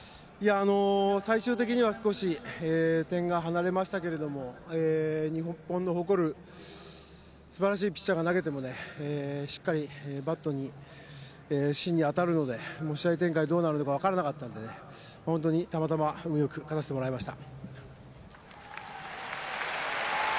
最終的には少し点が離れましたけれども日本の誇る素晴らしいピッチャーが投げているのでしっかりバットの芯に当たるので試合展開がどうなるか分からなかったので本当にたまたま勝たせてもらいました。